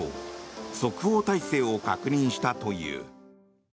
即応態勢を確認したという。